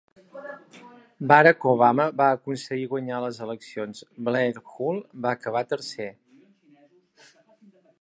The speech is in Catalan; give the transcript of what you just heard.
Barack Obama va aconseguir guanyar les eleccions, Blair Hull va acabar tercer.